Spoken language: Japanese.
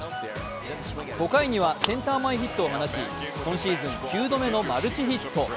５回にはセンター前ヒットを放ち、今シーズン９度目のマルチヒット。